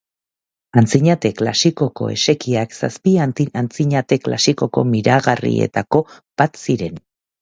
Antzinate klasikoko esekiak zazpi antzinate klasikoko miragarrietako bat ziren.